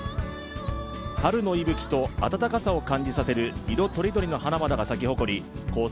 春の息吹と暖かさを感じさせる色とりどりの花々が咲き誇りコース